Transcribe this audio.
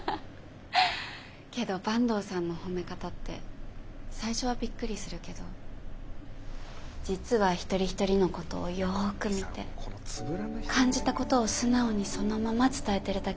けど坂東さんの褒め方って最初はびっくりするけど実は一人一人のことをよく見て感じたことを素直にそのまま伝えてるだけなんだよね。